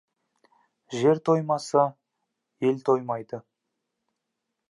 Жер тоймаса, ел тоймайды.